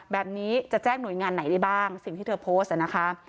แบบนี้จะแจ้งหน่วยงานไหนได้บ้างสิ่งที่เธอโพสต์นะคะ